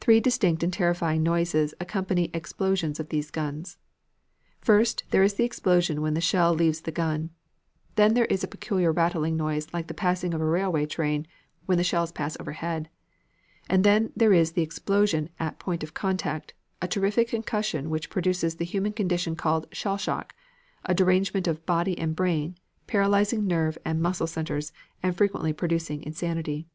Three distinct and terrifying noises accompany explosions of these guns. First, there is the explosion when the shell leaves the gun; then there is the peculiar rattling noise like the passing of a railway train when the shells pass overhead; then there is the explosion at point of contact, a terrific concussion which produces the human condition called "shell shock," a derangement of body and brain, paralyzing nerve and muscle centers and frequently producing insanity.